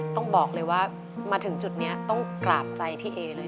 ต้องบอกเลยว่ามาถึงจุดนี้ต้องกราบใจพี่เอเลย